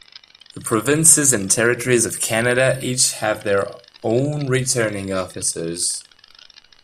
The provinces and territories of Canada each have their own returning officers.